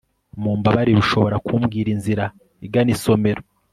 mumbabarire, ushobora kumbwira inzira igana isomero